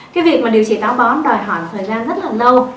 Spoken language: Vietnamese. cái việc mà điều trị táo bón đòi hỏi thời gian rất là lâu